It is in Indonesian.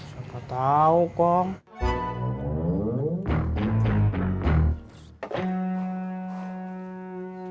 siapa tahu kong